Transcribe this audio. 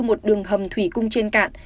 một đường hầm thủy cung trên cạn